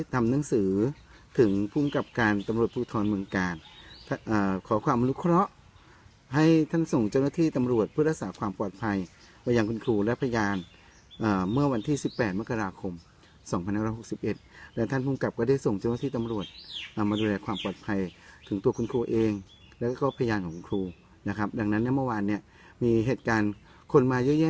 ถึงภูมิกับการตำรวจภูทรเมืองกาลเอ่อขอความลูกเคราะห์ให้ท่านส่งเจ้าหน้าที่ตำรวจเพื่อรักษาความปลอดภัยไปยังคุณครูและพยานเอ่อเมื่อวันที่สิบแปดมกราคมสองพันหน้าหกสิบเอ็ดและท่านภูมิกับก็ได้ส่งเจ้าหน้าที่ตำรวจเอามาดูแลความปลอดภัยถึงตัวคุณครูเองแล้วก็พยาน